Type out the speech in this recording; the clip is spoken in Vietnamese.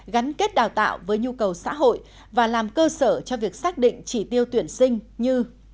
gắn kết đào tạo với nhu cầu xã hội và làm cơ sở cho việc xác định chỉ tiêu tuyển sinh như